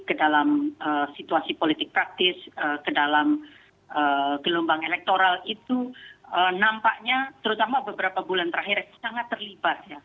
ke dalam situasi politik praktis ke dalam gelombang elektoral itu nampaknya terutama beberapa bulan terakhir sangat terlibat ya